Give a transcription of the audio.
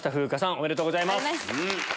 ありがとうございます。